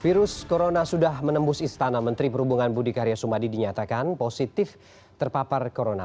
virus corona sudah menembus istana menteri perhubungan budi karya sumadi dinyatakan positif terpapar corona